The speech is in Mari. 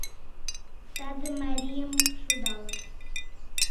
Саде марийым шудалыт.